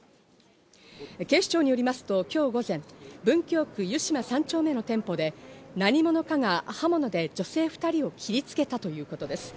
警視庁によりますと今日午前、文京区湯島３丁目の店舗で何者かが刃物で女性２人を切りつけたということです。